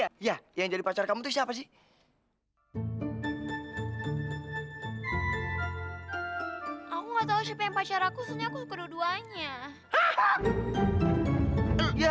aku nggak tahu siapa yang pacar aku seharusnya aku suka keduanya